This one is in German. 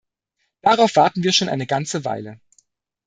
Darauf warten wir schon eine ganze Weile.